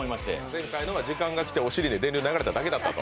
前回は時間が来てお尻に電流が流れただけだったと。